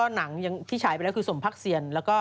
หนังที่ฉายไปแล้วคือสมพักเซียน